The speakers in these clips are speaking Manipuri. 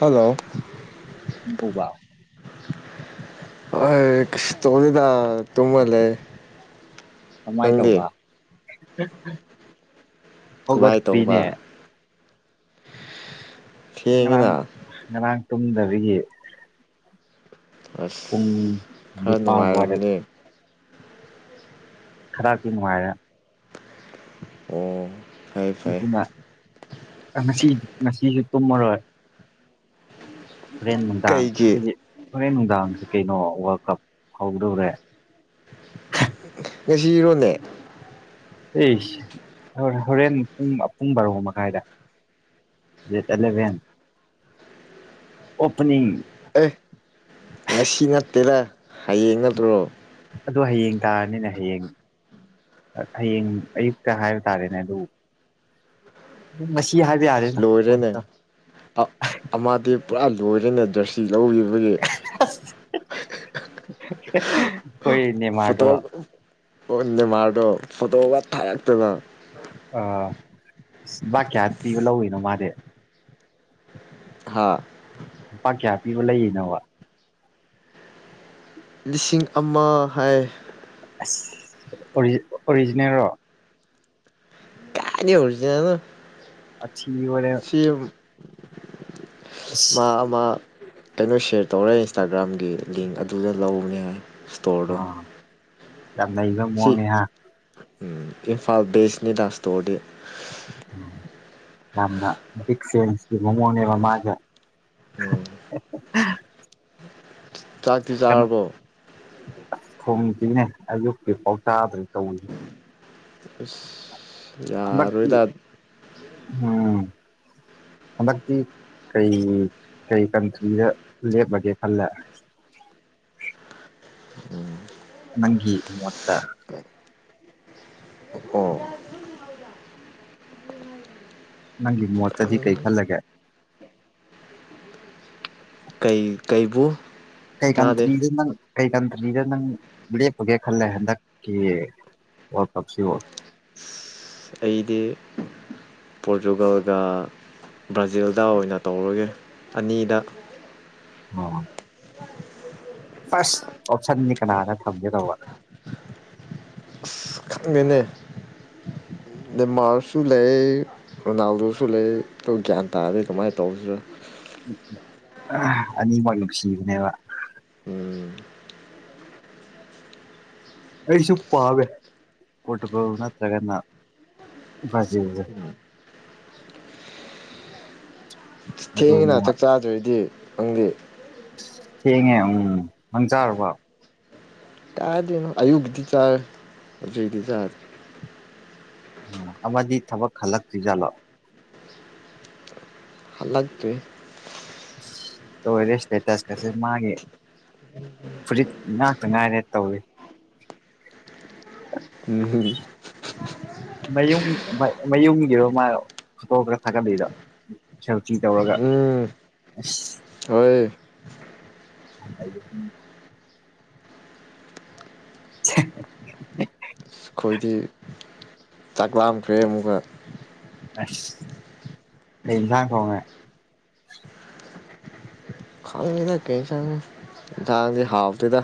ꯍꯂꯣ ꯀꯝ ꯇꯧꯕ ꯑ ꯀꯩꯁꯨ ꯇꯧꯗꯦꯗ ꯇꯝꯨꯃ ꯂꯩ ꯀꯃꯥꯏꯅ ꯅꯪꯗꯤ ꯇꯧꯕ ꯀꯃꯥꯏ ꯇꯧꯕ ꯍꯧꯒꯠꯇ꯭ꯔꯤꯅꯦ ꯊꯦꯡꯉꯤꯅ ꯉꯔꯥꯡ ꯉꯔꯥꯡ ꯇꯨꯝꯗꯕꯒꯤ ꯄꯨꯡ ꯑꯁ ꯈꯔ ꯅꯤꯄꯥꯟ ꯋꯥꯏꯔꯠ ꯅꯨꯡꯉꯥꯏꯔꯝꯅꯤ ꯈꯔꯗꯤ ꯅꯨꯡꯉꯥꯏꯔꯦ ꯑꯣ ꯐꯩ ꯐꯩ ꯑꯗꯨꯅ ꯉꯁꯤ ꯉꯁꯤꯁꯨ ꯇꯨꯝꯃꯔꯣꯏ ꯍꯣꯔꯦꯟ ꯅꯨꯡꯗꯥꯡ ꯀꯩꯒꯤ ꯑꯗꯤ ꯍꯣꯔꯦꯟ ꯅꯨꯡꯗꯥꯡꯁꯦ ꯀꯩꯅꯣ ꯋꯥꯔꯜ ꯀꯞ ꯍꯧꯗꯧꯔꯦ ꯉꯁꯤꯔꯣꯅꯦ ꯑꯁ ꯍ ꯍꯣꯔꯦꯟ ꯄꯨꯡ ꯄꯨꯡ ꯕꯥꯔꯣ ꯃꯈꯥꯏꯗ ꯗꯦꯠ ꯑꯦꯂꯚꯦꯟ ꯑꯣꯄꯅꯤꯡ ꯑꯦ ꯉꯁꯤ ꯅꯠꯇꯦꯗ ꯍꯌꯦꯡ ꯅꯠꯇ꯭ꯔꯣ ꯑꯗꯣ ꯍꯌꯦꯡ ꯇꯥꯔꯅꯤꯅꯦ ꯍꯌꯦꯡ ꯍꯌꯦꯡ ꯑꯌꯨꯛꯇ ꯍꯥꯏꯕ ꯇꯥꯔꯦꯅꯦ ꯑꯗꯨꯕꯨ ꯑꯁ ꯂꯣꯏꯔꯦꯅꯦ ꯑꯃꯗꯤ ꯄꯨꯔꯥ ꯂꯣꯏꯔꯦꯅ ꯖꯔꯁꯤ ꯂꯧꯈꯤꯕꯒꯤ ꯑꯁ ꯑꯩꯈꯣꯏ ꯅꯦꯃꯥꯔꯗꯣ ꯑꯣ ꯅꯦꯃꯥꯔꯗꯣ ꯐꯣꯇꯣꯒ ꯊꯥꯔꯛꯇꯅ ꯑ ꯚꯥꯛ ꯀꯌꯥ ꯄꯤꯕ ꯂꯧꯔꯤꯅꯣ ꯃꯥꯗꯤ ꯍꯥꯥ ꯂꯨꯄꯥ ꯀꯌꯥ ꯄꯤꯕ ꯂꯩꯔꯤꯅꯣꯕ ꯂꯤꯁꯤꯡ ꯑꯃ ꯍꯥꯏ ꯑꯁ ꯑꯣꯔꯤꯖꯤꯅꯦꯜꯔꯣ ꯀꯥꯏꯗꯩ ꯑꯣꯔꯤꯖꯤꯅꯦꯜꯂꯣ ꯊꯤ ꯋꯥꯔꯦꯝ ꯃꯥ ꯑꯃ ꯀꯩꯅꯣ ꯁꯤꯌꯔ ꯇꯧꯔꯦ ꯏꯟꯁꯇꯥꯒ꯭ꯔꯥꯝꯒꯤ ꯂꯤꯡ ꯑꯗꯨꯗ ꯂꯧꯕꯅꯤ ꯇꯣꯔꯗꯣ ꯑꯥ ꯌꯥꯝ ꯅꯩꯕ ꯃꯑꯣꯡꯅꯦꯍꯥ ꯎꯝ ꯏꯝꯐꯥꯜ ꯕꯦꯁ ꯅꯤꯗ ꯁ꯭ꯇꯣꯔꯗꯤ ꯎꯝ ꯌꯥꯝꯅ ꯕꯤꯛ ꯐꯦꯟꯖꯀꯤ ꯃꯑꯣꯡꯅꯦꯕ ꯃꯥꯒ ꯎꯝ ꯆꯥꯛꯇꯤ ꯆꯥꯔꯕꯣ ꯁꯤꯅꯦ ꯑꯌꯨꯛꯀꯤ ꯄꯥꯎ ꯇꯗ꯭ꯔꯤ ꯇꯧꯔꯤꯁꯦ ꯑꯁ ꯍꯟꯗꯛꯇꯤ ꯎꯝ ꯍꯟꯗꯛꯇꯤ ꯀꯩ ꯀꯩ ꯀꯟꯇ꯭ꯔꯤꯗ ꯂꯦꯞꯂꯒꯦ ꯈꯜꯂꯦ [inaudible] ꯅꯪꯒꯤ ꯃꯣꯠꯇ ꯑꯣ ꯅꯪꯒꯤ ꯃꯣꯠꯇꯗꯤ ꯀꯩ ꯈꯜꯂꯒꯦ ꯨ [inaudible] ꯀꯩ ꯀꯟꯇ꯭ꯔꯤꯗ ꯅꯪ ꯀꯩ ꯀꯟꯇ꯭ꯔꯤꯗ ꯅꯪ ꯂꯦꯞꯄꯒꯦ ꯈꯜꯂꯦ ꯍꯟꯗꯛꯀꯤ ꯋꯔꯜ ꯀꯞꯁꯤꯕꯣ ꯑꯁ ꯑꯩꯗꯤ ꯄꯣꯔꯇꯨꯒꯜꯒ ꯕ꯭ꯔꯥꯖꯤꯜꯗ ꯑꯣꯏꯅ ꯇꯧꯔꯒꯦ ꯑꯅꯤꯗ ꯑꯥ ꯐꯥꯔꯁ ꯑꯣꯞꯁꯟꯗꯤ ꯀꯅꯥꯗ ꯊꯝꯒꯦ ꯇꯧꯕ ꯈꯪꯗꯦꯅꯦ [inaudible] ꯅꯦꯃꯥꯔꯁꯨ ꯂꯩ ꯔꯣꯅꯥꯜꯗꯣꯁꯨ ꯂꯩ ꯑꯩꯗꯣ ꯒ꯭ꯌꯥꯟ ꯇꯗꯦ ꯀꯃꯥꯏ ꯇꯧꯁꯤꯔ ꯑꯅꯤꯃꯛ ꯅꯨꯡꯁꯤꯕꯅꯦꯕ ꯎꯝ ꯑꯩꯁꯨ ꯄꯥꯝꯃꯦ ꯄꯣꯇꯔꯨꯒꯜ ꯅꯠꯇ꯭ꯔꯒꯅ ꯕ꯭ꯔꯖꯤꯜꯖꯦ ꯊꯦꯡꯉꯤꯅ ꯑꯗꯨꯅꯦꯕ ꯆꯥꯛ ꯆꯥꯗ꯭ꯔꯦꯗꯤ ꯅꯪꯗꯤ ꯊꯦꯡꯉꯦ ꯎꯝ ꯅꯪ ꯆꯥꯔꯕ ꯀꯥꯏꯗꯩꯅꯣ ꯑꯌꯨꯒꯤꯗꯤ ꯆꯥꯔꯦ ꯍꯧꯖꯤꯛꯇꯤ ꯆꯥꯗ꯭ꯔꯤ ꯑꯃꯗꯤ ꯊꯕꯛ ꯍꯜꯂꯛꯇ꯭ꯔꯤꯖꯥꯠꯂꯣ ꯍꯂꯛꯇ꯭ꯔꯤ ꯂꯣꯏꯔꯦ ꯁ꯭ꯇꯦꯇꯁꯀꯁꯦ ꯃꯥꯒꯤ ꯐꯨꯔꯤꯠ ꯉꯥꯛꯇ ꯉꯥꯏꯔꯦ ꯇꯧꯋꯤ ꯎꯝ ꯍꯝ ꯃꯌꯨꯝ ꯃꯌꯨꯝꯒꯤꯔꯣ ꯃꯥ ꯐꯣꯇꯣ ꯈꯔ ꯊꯥꯒꯠꯂꯤꯗꯣ ꯁꯦꯜꯐꯤ ꯇꯧꯔꯒ ꯎꯝ ꯑꯁ ꯍꯣꯏ [inaudible] ꯁꯦ ꯍꯦ ꯍꯦ ꯍꯦ ꯍꯦ ꯑꯩꯈꯣꯏꯗꯤ ꯆꯥꯛꯂꯥꯝꯈ꯭ꯔꯦ ꯑꯃꯨꯛꯀ ꯑꯁ ꯀꯩ ꯉꯥ ꯊꯣꯡꯉꯦ ꯈꯪꯗꯦꯗ ꯀꯩ ꯏꯟꯁꯥꯡꯅꯣ ꯏꯟꯁꯥꯡꯗꯤ ꯍꯥꯎꯇꯦꯗ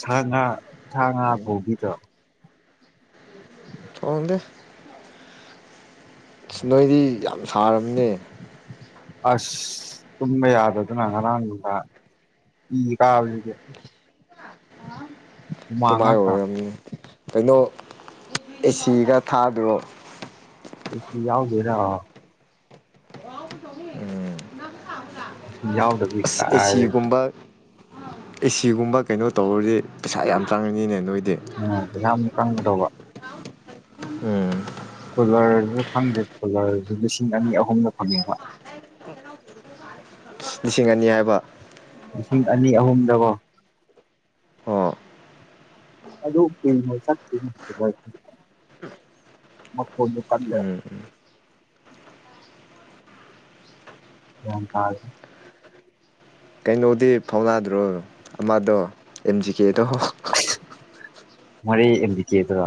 ꯁꯥ ꯉꯥ ꯁꯥ ꯉꯥ ꯐꯧꯕꯤꯗ꯭ꯔꯣ ꯑꯣꯅꯦ ꯅꯣꯏꯗꯤ ꯌꯥꯝ ꯁꯥꯔꯝꯅꯦ ꯑꯁ ꯇꯨꯝꯕ ꯌꯥꯗꯗꯅ ꯉꯔꯥꯡ ꯅꯨꯡꯗꯥ ꯏꯗꯤ ꯀꯥꯕꯁꯤꯗꯤ ꯍꯨꯃꯥꯡ ꯇꯨꯃꯥꯏ ꯉꯥꯛꯇ ꯑꯣꯏꯔꯝꯅꯤ ꯀꯩꯅꯣ ꯑꯦꯁꯤꯒ ꯊꯥꯗ꯭ꯔꯣ ꯑꯦꯁꯤ ꯌꯥꯎꯗꯦꯔ ꯎꯝ ꯌꯥꯎꯗꯕꯤ ꯑꯁ ꯀꯥꯏꯗꯩ ꯑꯦꯁꯤꯒꯨꯝꯕ ꯑꯦꯁꯤꯒꯨꯝꯕ ꯀꯩꯅꯣ ꯇꯧꯔꯗꯤ ꯄꯩꯁꯥ ꯌꯥꯝ ꯆꯪꯉꯅꯤꯅꯦ ꯅꯣꯏꯗꯤ ꯎ ꯄꯩꯁꯥ ꯑꯃꯨꯛ ꯆꯡꯇꯧꯕ ꯎꯝ ꯀꯣꯂꯔꯁꯨ ꯐꯪꯗꯦ ꯀꯣꯂꯔꯁꯨ ꯂꯤꯁꯤꯡ ꯑꯅꯤ ꯑꯍꯨꯝꯅ ꯐꯪꯅꯤꯡꯕ ꯂꯤꯁꯤꯡ ꯑꯅꯤ ꯍꯥꯏꯕ ꯂꯤꯁꯤꯡ ꯑꯅꯤ ꯑꯍꯨꯝꯗꯕꯣ ꯑꯣ ꯑꯗꯨ ꯀꯨꯏꯅꯥ ꯆꯠꯇꯦ ꯀꯨꯂꯔꯗꯤ ꯃꯈꯣꯜꯗꯣ ꯀꯜꯂꯦ ꯎꯝ ꯒꯤꯌꯥꯟ ꯇꯥꯗ꯭ꯔꯦ ꯀꯩꯅꯣꯗꯤ ꯐꯥꯎꯅꯥꯗ꯭ꯔꯣ ꯑꯃꯗꯣ ꯑꯦꯝ ꯖꯤ ꯀꯦꯗꯣ ꯍ ꯃꯣꯔꯦ ꯑꯦꯝꯕꯤ ꯀꯦ ꯗꯣ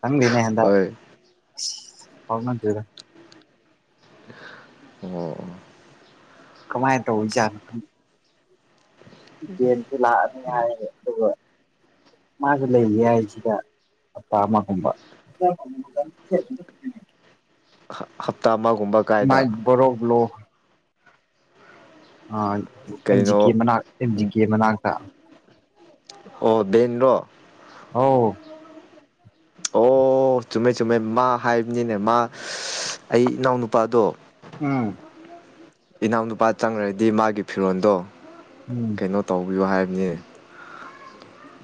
ꯈꯪꯗꯦꯅꯦ ꯍꯟꯗꯛ ꯍꯣꯏ ꯐꯥꯎꯅꯗꯦꯗ ꯑꯣ ꯀꯃꯥꯏ ꯇꯧꯔꯤꯖꯠꯅꯣ ꯌꯦꯟꯁꯦ ꯂꯥꯛ ꯑꯅꯤ ꯍꯥꯏ ꯑꯗꯨꯒ ꯃꯥꯁꯨ ꯂꯩꯒꯦ ꯍꯥꯏ ꯁꯤꯗ ꯍꯥꯞꯇ ꯑꯃꯒꯨꯝꯕ ꯍꯞꯇꯥ ꯃꯥꯑꯣ ꯃꯥꯏ ꯕꯣ ꯔꯣ ꯕꯣ ꯂꯣ ꯑꯦꯝ ꯖꯤ ꯀꯦ ꯀꯩꯅꯣ ꯃꯅꯥꯛ ꯑꯦꯝ ꯖꯤ ꯀꯦ ꯃꯅꯥꯛꯇ ꯑꯣ ꯗꯦꯟꯔꯣ ꯑꯥꯎ ꯑꯣ ꯑꯣ ꯆꯨꯝꯃꯦ ꯆꯨꯝꯃꯦ ꯃꯥ ꯍꯥꯏꯕꯅꯤꯅꯦ ꯃꯥ ꯑꯩ ꯏꯅꯥꯎꯅꯨꯄꯥꯗꯣ ꯎꯝ ꯏꯅꯥꯎꯅꯨꯄꯥ ꯆꯪꯈ꯭ꯔꯗꯤ ꯃꯥꯒꯤ ꯐꯤꯔꯣꯜꯗꯣ ꯎꯝ ꯀꯩꯅꯣ ꯇꯧꯕꯤꯌꯨ ꯍꯥꯏꯕꯅꯤ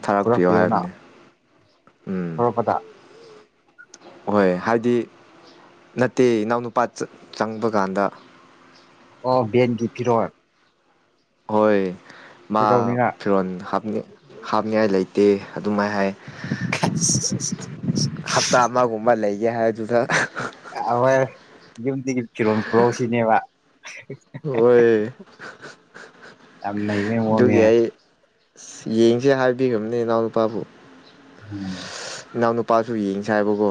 ꯊꯥꯔꯛꯄꯤꯌꯣ ꯍꯥꯏꯕꯅꯤ ꯎꯝ ꯊꯣꯔꯛꯄꯗ ꯍꯣꯏ ꯍꯥꯏꯗꯤ ꯅꯠꯇꯦ ꯏꯅꯥꯎꯅꯨꯄꯥ ꯆꯪꯕ ꯀꯥꯟꯗ ꯑꯣ ꯚꯦꯟꯒꯤ ꯄꯤꯔꯣꯜ ꯍꯣꯏ ꯃꯥ ꯀꯩꯗꯧꯅꯤꯅ ꯐꯤꯔꯣꯟ ꯍꯥꯞ ꯍꯥꯞꯅꯤꯉꯥꯏ ꯂꯩꯇꯦ ꯑꯗꯨꯃꯥꯏ ꯍꯥꯏꯌꯦ ꯈꯦꯠꯁ ꯏꯁ ꯏꯁ ꯍꯞꯇꯥ ꯑꯃꯒꯨꯝꯕ ꯂꯩꯒꯦ ꯍꯥꯏꯕꯗꯨꯗ ꯍꯍꯣꯏ ꯌꯨꯝꯒꯤ ꯐꯤꯔꯣꯜ ꯄꯨꯔꯧꯁꯤꯅꯦꯕ ꯍꯣꯏ ꯌꯥꯝ ꯅꯩꯕꯥ ꯃꯥꯑꯣꯡꯅꯤ ꯑꯁ ꯌꯦꯡꯁꯦ ꯍꯥꯏꯕꯤꯈꯝꯅꯦ ꯏꯅꯥꯎꯅꯨꯄꯥꯕꯨ ꯎꯝ ꯏꯅꯥꯎ ꯅꯨꯄꯥꯁꯨ ꯌꯦꯡꯁꯦ ꯍꯥꯏꯕꯀꯣ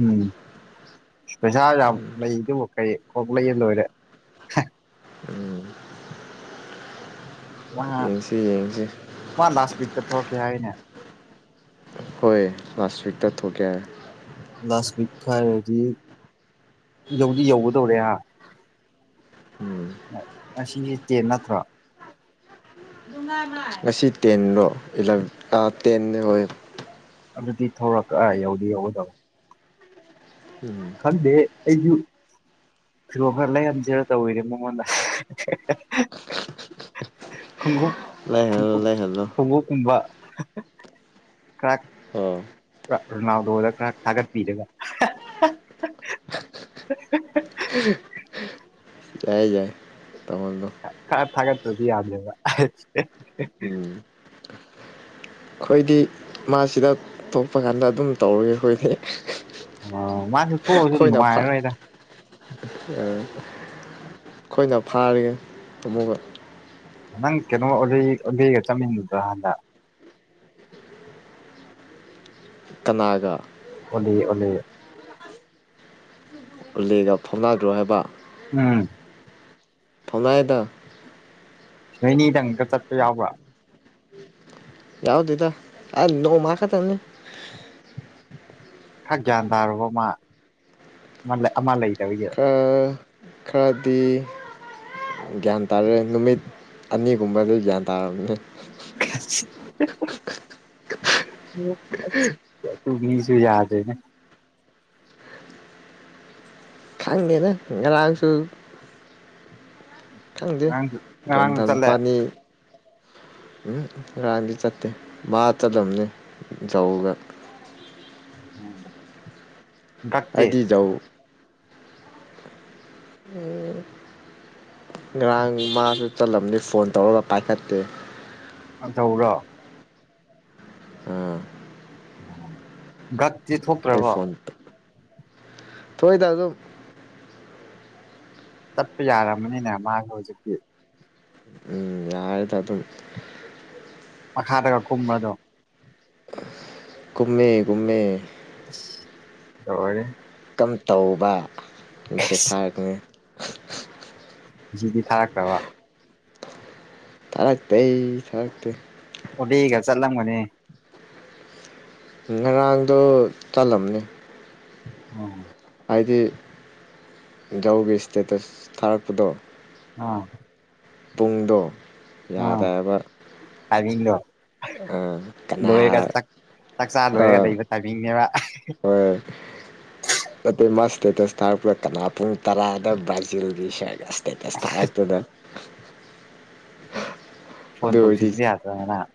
ꯎꯝ ꯄꯩꯁꯥ ꯌꯥꯝ ꯂꯩꯗꯨꯃ ꯀꯩ ꯀꯣꯛ ꯂꯩꯔ ꯂꯣꯏꯔꯦ ꯌꯦꯡꯁꯤ ꯌꯦꯡꯁꯤ ꯛꯇ ꯊꯣꯔꯛꯀꯦ ꯍꯥꯏꯌꯦꯅꯦ ꯍꯣꯏ ꯂꯥꯁ ꯋꯤꯛꯇ ꯊꯣꯛꯀꯦ ꯂꯥꯁ ꯋꯤꯛ ꯍꯥꯏꯥꯔꯗꯤ ꯌꯧꯗꯤ ꯌꯧꯒꯗꯧꯔꯦ ꯍꯥ ꯎꯝ ꯑꯁꯤꯁꯦ ꯇꯦꯟ ꯅꯠꯇ꯭ꯔꯣ ꯉꯁꯤ ꯇꯦꯟꯂꯣ ꯏꯂꯥ ꯇꯦꯟꯅꯦ ꯍꯣꯏ ꯑꯗꯨꯗꯤ ꯊꯧꯔꯛꯀ ꯌꯧꯗꯤ ꯌꯧꯒꯗꯧ ꯎꯝ ꯑꯩꯁꯨꯨ ꯐꯤꯔꯣꯜ ꯈꯔ ꯂꯩꯈꯟꯁꯤꯔ ꯇꯧꯔꯤꯅꯦ ꯃꯉꯣꯟꯗ ꯈꯣꯡꯎꯞ ꯂꯩꯍꯜꯂꯣ ꯈꯣꯡꯎꯞ ꯂꯩꯍꯜꯂꯣ ꯈꯣꯡꯎꯞꯀꯨꯝꯕ [unintelligible] ꯑꯣ ꯔ ꯔꯣꯅꯥꯜꯗꯣꯗ ꯈꯔ ꯊꯥꯒꯠꯄꯤꯔꯒ ꯍꯥ ꯍꯥ ꯍꯥ ꯍꯥ ꯍꯥꯥ ꯍꯥ ꯌꯥꯏ ꯌꯥꯏ ꯇꯧꯍꯜꯂꯣ ꯈꯔ ꯊꯥꯒꯠꯇ꯭ꯔꯗꯤ ꯌꯥꯗꯔꯦꯕ ꯎꯝ ꯑꯩꯈꯣꯏꯗꯤ ꯃꯥꯁꯤꯗ ꯊꯣꯛꯄ ꯀꯥꯟꯗ ꯑꯗꯨꯝ ꯇꯧꯔꯒꯦ ꯑꯩꯈꯣꯏꯗꯤ ꯑꯣ ꯃꯥꯁꯨ ꯊꯣꯛꯑꯁꯨ ꯑꯩꯈꯣꯏꯅ ꯐꯥ ꯅꯨꯡꯉꯥꯏꯔꯔꯣꯏꯗ ꯑꯩꯈꯣꯏꯅ ꯐꯥꯔꯒꯦ ꯑꯃꯨꯛꯀ ꯅꯪ ꯀꯩꯅꯣ ꯑꯣꯂꯤ ꯑꯣꯂꯤꯒ ꯆꯠꯃꯤꯟꯅꯕꯔ ꯍꯟꯗꯛ ꯀꯅꯥꯒ ꯑꯣꯂꯤ ꯑꯣꯂꯤ ꯑꯂꯤꯒ ꯐꯥꯎꯅꯗ꯭ꯔꯣ ꯍꯥꯏꯕ ꯎꯝ [unintelligible] ꯅꯣꯏꯅꯤꯗꯪꯒ ꯆꯠꯄ ꯌꯥꯎꯕ꯭ꯔꯥ ꯌꯥꯎꯗꯦꯗ ꯑꯥ ꯅꯣꯡꯃ ꯈꯛꯇꯡꯅꯤ ꯈꯔ ꯒ꯭ꯌꯥꯟ ꯇꯥꯔꯕꯣ ꯃꯥ ꯑꯃ ꯑꯃ ꯂꯩ ꯈꯔ ꯈꯔꯗꯤ ꯒ꯭ꯌꯥꯟ ꯇꯥꯔꯦ ꯅꯨꯃꯤꯠ ꯑꯅꯤꯒꯨꯝꯕꯗ ꯒ꯭ꯌꯥꯟ ꯇꯥꯔꯝꯅꯤꯅ ꯍꯥ ꯍꯥ꯬ [inaudible] ꯇꯨ ꯃꯤꯅꯤꯁꯨ ꯌꯥꯗꯅꯦ [unintelligible] ꯈꯪꯗꯦꯗ ꯉꯔꯥꯡꯁꯨ ꯈꯪꯗꯦ ꯉꯔꯥꯡꯁꯨ ꯉꯔꯥꯡꯁꯨ ꯖꯣꯟꯊꯟ ꯆꯠꯂꯦ ꯃꯕꯥꯅꯤ ꯎꯝ ꯉꯔꯥꯡꯗꯤ ꯆꯠꯇꯦ ꯃꯥ ꯆꯠꯂꯝꯅꯤ ꯖꯧꯒ ꯎꯝ ꯍꯥꯏꯗꯤ ꯖꯧ ꯉꯔꯥꯡ ꯃꯥꯁꯨ ꯆꯜꯂꯝꯅꯤ ꯐꯣꯟ ꯇꯧꯔꯒ ꯄꯥꯏꯈꯠꯇꯦ ꯑꯥ ꯇꯧꯔꯣ ꯑꯥ ꯒꯛꯇꯤ ꯊꯣꯛꯇ꯭ꯔꯕꯣ ꯊꯣꯛꯏꯗ ꯑꯗꯨꯝ ꯆꯠꯄ ꯌꯥꯔꯝꯃꯅꯤꯅꯦ ꯃꯥꯖꯨ ꯍꯧꯖꯤꯛꯇꯤ ꯇꯥꯔꯦ ꯇ ꯑꯗꯨꯝ [unintelligible] ꯃꯈꯥꯗꯒ ꯀꯨꯝꯕꯗꯣ ꯀꯨꯝꯃꯦ ꯀꯨꯝꯃꯦ ꯂꯧꯏꯔꯦ ꯀꯝ ꯇꯧꯕ ꯃꯦꯁꯁ ꯊꯥꯔꯛꯀꯅꯤ ꯉꯁꯤꯗꯤ ꯊꯥꯔꯛꯇꯕ ꯊꯥꯔꯛꯇꯦ ꯊꯥꯔꯛꯇꯦ ꯑꯣꯗꯤꯒ ꯆꯠꯂꯝꯒꯅꯤ ꯉꯔꯥꯡꯗꯣ ꯆꯜꯂꯝꯅꯤ ꯎꯝ ꯍꯥꯏꯗꯤ ꯏꯖꯒꯤ ꯏꯁꯇꯦꯇꯁ ꯊꯥꯔꯛꯄꯗꯣ ꯑꯥ ꯄꯨꯡꯗꯣ ꯌꯥꯗꯦꯕ ꯇꯥꯃꯤꯡꯗꯣ ꯂꯣꯏꯔꯒ ꯀꯅꯥ ꯆꯥꯛ ꯆꯥꯛꯆꯥ ꯂꯣꯏꯔꯒ ꯑꯥ ꯂꯩꯕ ꯇꯥꯃꯤꯡꯅꯦꯕ ꯑꯥ ꯍꯤ ꯍꯣꯏ ꯍꯦ ꯅꯠꯇꯦ ꯃꯥ ꯏꯁꯇꯦꯇꯁ ꯊꯥꯔꯛꯄꯗ ꯀꯅꯥ ꯄꯨꯡ ꯇꯔꯥꯗ ꯕ꯭ꯔꯥꯖꯤꯜꯒꯤ ꯁꯔꯒꯁ [unintelligible] ꯐꯣꯟ ꯑꯗꯨ ꯑꯣꯏꯔꯗꯤ ꯇꯧꯁꯤꯟꯕ ꯌꯥꯗ꯭ꯔ ꯉꯔꯥꯡ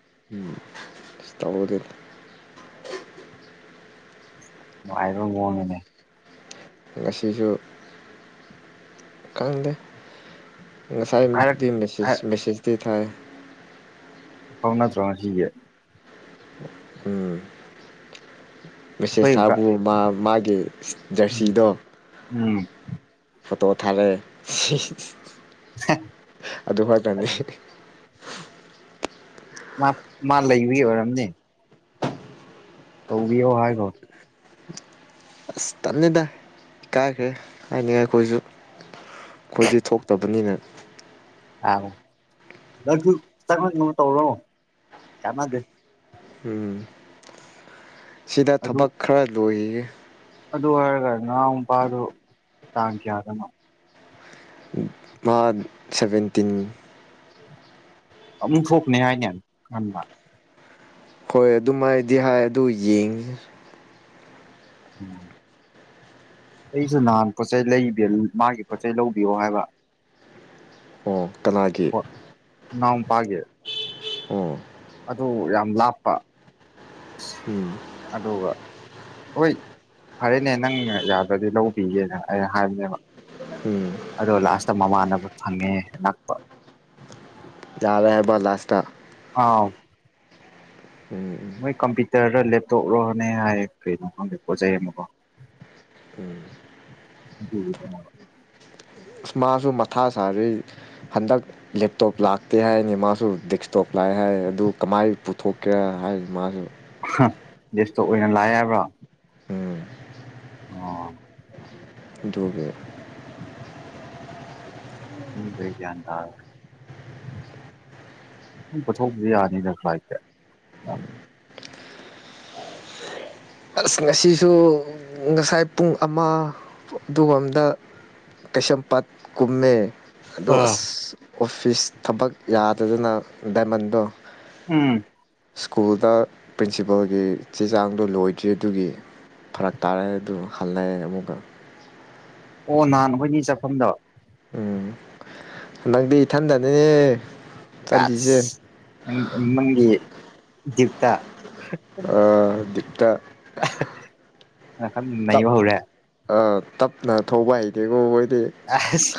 ꯏꯁ ꯇꯧꯗꯦꯗ ꯅꯨꯡꯉꯥꯏꯕ ꯃꯥꯑꯣꯡꯅꯤꯅꯦ ꯉꯁꯤꯁꯨ ꯀꯪꯗꯦ ꯉꯁꯥꯏ ꯍꯥꯏꯔꯛ ꯗꯤ ꯍꯥꯏ ꯃꯦꯁꯦꯁ ꯃꯦꯁꯦꯖꯗꯤ ꯊꯥꯏ ꯐꯥꯎ ꯅꯗ꯭ꯔꯣ ꯉꯁꯤꯒꯤ ꯃꯤꯁꯦꯁ ꯑꯩꯈꯣꯏ ꯊꯥꯕꯨ ꯃꯥ ꯃꯥꯒꯤ ꯎꯝ ꯖꯔꯁꯤꯗꯣ ꯎꯝ ꯐꯣꯇꯣ ꯊꯥꯔꯦ ꯍ ꯑꯗꯨ ꯈꯛꯇꯅꯤ ꯃꯥ ꯃꯥ ꯂꯩꯕꯒꯤ ꯑꯣꯏꯔꯝꯅꯤ ꯇꯧꯕꯤꯌꯣ ꯍꯥꯏꯒꯣ ꯇꯜꯂꯦꯗ ꯏ ꯀꯥꯏꯈ꯭ꯔꯦ ꯍꯥꯏꯅꯤꯡꯉꯥꯏ ꯑꯩꯈꯣꯏꯁꯨ ꯑꯩꯈꯣꯏꯗꯤ ꯊꯣꯛꯇꯕꯅꯤꯅ ꯑꯎ ꯅꯪꯁꯨ ꯆꯪꯉꯛꯅꯕ ꯇꯧꯔꯣ ꯀꯥꯟꯅꯗꯦ ꯎꯝ ꯁꯤꯗ ꯑꯗꯨ ꯊꯕꯛ ꯈꯔ ꯂꯣꯏꯒꯤꯒꯦ ꯑꯗꯨ ꯍꯥꯏꯔꯒ ꯅꯥꯎ ꯄꯥꯗꯨ ꯇꯥꯡ ꯀꯌꯥꯗꯅꯣ ꯃꯥ ꯁꯚꯦꯟꯇꯤꯟ ꯑꯃꯨꯛ ꯊꯣꯛꯅꯤ ꯍꯥꯏꯅꯦ ꯉꯟꯕ ꯍꯣꯏ ꯑꯗꯨꯝꯥꯏꯗꯤ ꯍꯥꯏ ꯑꯗꯨ ꯌꯦꯡꯁꯦ ꯎꯝ ꯑꯩꯁꯨ ꯅꯍꯥꯟ ꯄꯣꯠꯆꯩ ꯂꯩ ꯕꯤꯌꯦꯜ ꯃꯥꯒꯤ ꯄꯣꯠꯆꯩ ꯂꯧꯕꯤꯌꯣ ꯍꯥꯏꯕ ꯑꯣ ꯀꯅꯥꯒꯤ ꯅꯎꯄꯥꯒꯤ ꯑꯣ ꯑꯗꯨ ꯌꯥꯝ ꯂꯥꯞꯄ ꯑꯁ ꯎꯝ ꯑꯗꯨꯒ ꯍꯣꯏ ꯐꯔꯦꯅꯦ ꯅꯪꯅ ꯌꯥꯗ꯭ꯔꯗꯤ ꯂꯧꯕꯤꯒꯦꯅ ꯑꯩꯅ ꯍꯥꯏꯕꯅꯦꯕ ꯎꯝ ꯑꯗꯣ ꯂꯥꯁꯇ ꯃꯃꯥꯟꯅꯕ ꯐꯪꯉꯦ ꯅꯛꯄ ꯌꯥꯔꯦ ꯍꯥꯏꯕ ꯂꯥꯁꯇ ꯑꯥꯎ ꯎꯝ ꯎꯝ ꯃꯣꯏ ꯀꯝꯄ꯭ꯌꯨꯇꯔꯔꯣ ꯂꯦꯞꯇꯣꯞꯔꯣꯅꯦ ꯍꯥꯏꯌꯦ ꯀꯔꯤ ꯅꯣ ꯍꯪꯗꯦ ꯄꯣꯠꯆꯩ ꯑꯃ ꯀꯣ ꯎꯝ ꯑꯗꯨꯕꯨ ꯗ ꯑꯁ ꯃꯥꯁꯨ ꯃꯊꯥ ꯁꯥꯔꯨꯏ ꯍꯟꯗꯛ ꯂꯦꯞꯇꯣꯞ ꯂꯥꯛꯇꯦ ꯍꯥꯏꯅꯤ ꯃꯥꯁꯨ ꯗꯦꯛꯁꯇꯣꯞ ꯂꯥꯛꯑ ꯍꯥꯏ ꯑꯗꯨ ꯀꯃꯥꯏ ꯄꯨꯊꯣꯛꯀꯦ ꯍꯥꯏ ꯃꯥꯁꯨ ꯍ ꯗꯦꯁꯇꯣꯞ ꯑꯣꯏꯅ ꯂꯥꯛꯑꯦ ꯍꯥꯏꯕ꯭ꯔꯣ ꯎꯝ ꯑꯣ ꯗꯨꯒꯤ [unintelligible] ꯄꯨꯊꯣꯛꯕꯗꯤ ꯌꯥꯅꯤꯅ ꯐ꯭ꯂꯥꯏꯠꯇ ꯑ ꯑꯁ ꯉꯁꯤꯁꯨ ꯉꯁꯥꯏ ꯄꯨꯡ ꯑꯃ ꯑꯗꯨꯒꯔꯣꯝꯗ ꯀꯩꯁꯝꯄꯥꯠ ꯀꯨꯝꯃꯦ ꯑꯗ ꯑꯥ ꯑꯁ ꯑꯣꯐꯤꯁ ꯊꯕꯛ ꯌꯥꯗꯗꯅ ꯗꯥꯏꯃꯟꯗꯣ ꯎꯝ ꯁ꯭ꯀꯨꯜꯗ ꯄ꯭ꯔꯤꯟꯁꯤꯄꯜꯒꯤ ꯆꯦ ꯆꯥꯡꯗꯣ ꯂꯣꯏ ꯆꯦꯗꯨꯒꯤ ꯐꯔꯛ ꯇꯥꯔꯦ ꯑꯗꯨ ꯍꯜꯂꯛꯑꯦ ꯑꯃꯨꯛꯀ ꯑꯣ ꯅꯍꯥꯟ ꯑꯩꯈꯣꯏꯅꯤ ꯆꯥꯐꯝꯗꯣ ꯍꯟꯗ ꯗꯤ ꯏꯊꯟꯗꯥꯅꯦ ꯀꯥꯁ ꯃꯪꯒꯤ ꯗ꯭ꯌꯨꯛꯇ ꯑ ꯗꯤꯞꯇ ꯅꯈꯝ ꯅꯩꯕ ꯍꯧꯔꯦ ꯑꯥ ꯇꯞꯅ ꯊꯧꯕ ꯍꯩꯗꯦꯀꯣ ꯃꯣꯢ ꯑꯁ